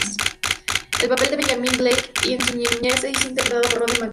El papel de Benjamín Blake en su niñez, es interpretado por Roddy McDowall.